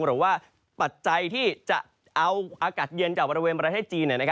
ปัจจัยที่จะเอาอากาศเย็นจากบริเวณประเทศจีน